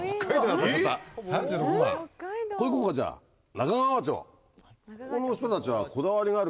ここ行こうかじゃあ中川町。